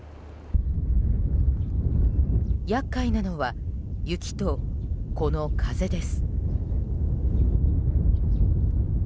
厄介なのは雪と、この風です。